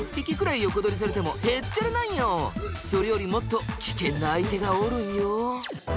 それよりもっと危険な相手がおるんよ。